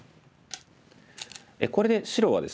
これで白はですね